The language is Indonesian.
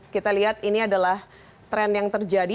kita lihat ini adalah tren yang terjadi